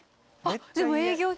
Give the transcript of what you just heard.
でも営業中。